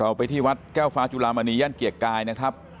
ไปที่วัดแก้วฟ้าจุลามณีย่านเกียรติกายนะครับ